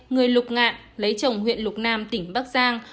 người lục ngạn lấy chồng huyện lục nam tỉnh bắc giang